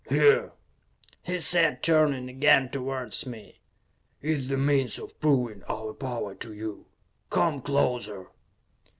"Here," he said, turning again towards me, "is the means of proving our power to you. Come closer!"